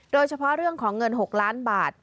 โดยเฉพาะเรื่องของเงิน๖ล้านบาท